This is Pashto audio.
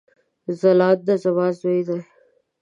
ځلاند زما ځوي دی